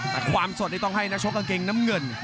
แต่ต้องให้นักชกกางเกงน้ำเงิน